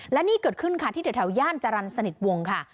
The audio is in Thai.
และนี่เกิดขึ้นค่ะที่แถวย่านจรรย์สนิทวงค่ะ